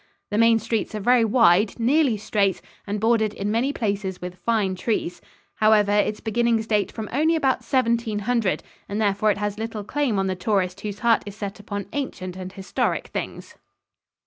The main streets are very wide, nearly straight, and bordered in many places with fine trees. However, its beginning dates from only about 1700, and therefore it has little claim on the tourist whose heart is set upon ancient and historic things.